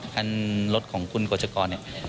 คันรถของคุณกฎชกรเนี่ย